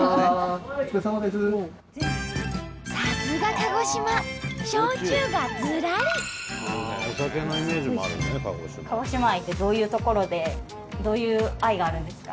鹿児島愛ってどういうところでどういう愛があるんですか？